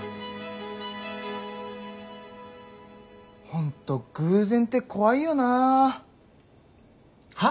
本当偶然って怖いよな。は？